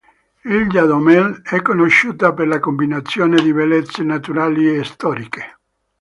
Ilha do Mel è conosciuta per la combinazione di bellezze naturali e storiche.